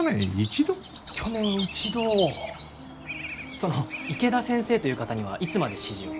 その池田先生という方にはいつまで師事を？